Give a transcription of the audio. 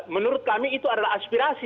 menurut kami itu adalah aspirasi